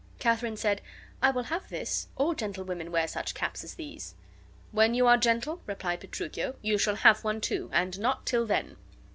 Katharine said, "I will have this; all gentlewomen wear such caps as these." "When you are gentle," replied Petruchio, "you shall have one, too, and not till then."